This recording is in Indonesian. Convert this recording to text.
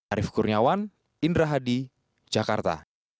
arief kurniawan indra hadi jakarta